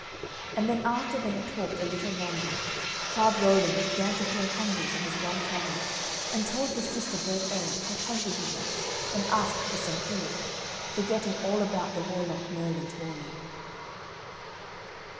And then after they had talked a little longer Childe Rowland began to feel hungry from his long travels, and told his sister Burd Ellen how hungry he was and asked for some food, forgetting all about the Warlock Merlin's warning.